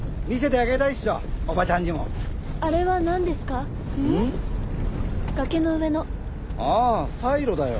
ああサイロだよ